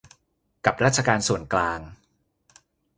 กับราชการส่วนกลาง